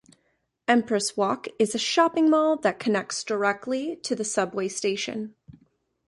Empress Walk is a shopping mall that connects directly to the subway station.